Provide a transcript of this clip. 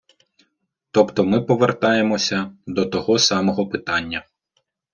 Тобто ми повертаємося до того самого питання.